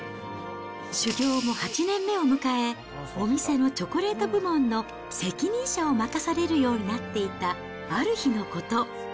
修業も８年目を迎え、お店のチョコレート部門の責任者を任されるようになっていたある日のこと。